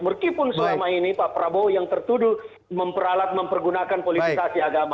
meskipun selama ini pak prabowo yang tertuduh memperalat mempergunakan politisasi agama